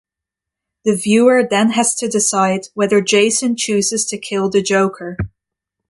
The viewer then has to decide whether Jason chooses to kill the Joker.